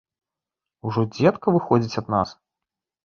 Ужо дзедка выходзіць ад нас?